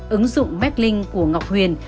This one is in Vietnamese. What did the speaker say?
ứng dụng mekling của ngọc huyền